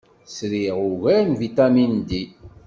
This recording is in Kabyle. Sriɣ ugar n vitamin D.